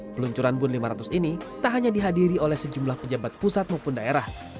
peluncuran bun lima ratus ini tak hanya dihadiri oleh sejumlah pejabat pusat maupun daerah